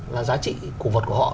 là giá trị cổ vật của họ